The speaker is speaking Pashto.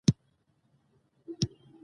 سیاسي ګډون د ولس حق دی